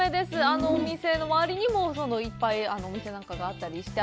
あのお店の回りにもいっぱいお店なんかがあったりして。